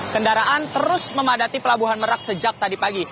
kendaraan terus memadati pelabuhan merak sejak tadi pagi